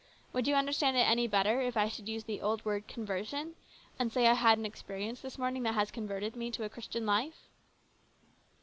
Would you understand it any better if I should use the old word 'conversion,' and say I had an experience this morning that has converted me to a Christian life?"